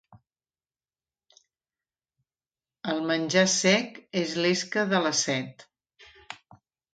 El menjar sec és l'esca de la set.